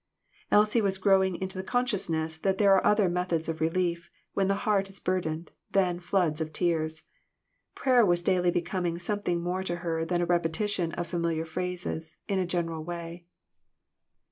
Elsie was growing into the consciousness that there are other methods of relief, when the heart is burdened, than floods of tears. Prayer was daily becoming something more to her than a repetition of familiar phrases, in a general way.